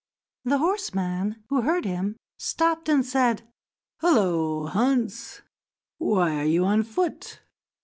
The horseman, who heard him, stopped and said: "Hallo, Hans, why are you on foot?"